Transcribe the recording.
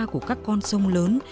của các con sông lớn